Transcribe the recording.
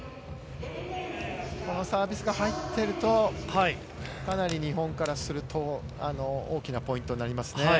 このサービスが入ってると、かなり日本からすると大きなポイントになりますね。